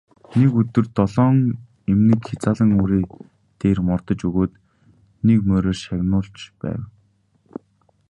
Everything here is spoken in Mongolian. Нэг өдөр долоон эмнэг хязаалан үрээн дээр мордож өгөөд нэг мориор шагнуулж байв.